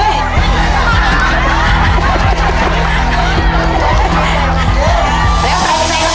เดี๋ยวร่มเร็ว